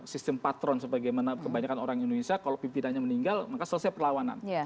sistem patron sebagaimana kebanyakan orang indonesia kalau pimpinannya meninggal maka selesai perlawanan